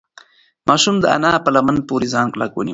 ماشوم د انا په لمن پورې ځان کلک ونیو.